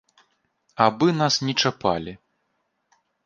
Абы нас не чапалі.